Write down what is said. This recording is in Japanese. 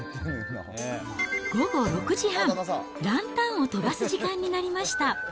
午後６時半、ランタンを飛ばす時間になりました。